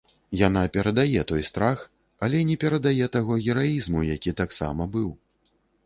Яна перадае той страх, але не перадае таго гераізму, які таксама быў.